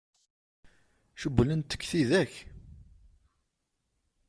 Cewwlent-k tidak?